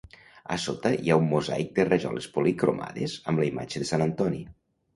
A sota hi ha un mosaic de rajoles policromades amb la imatge de Sant Antoni.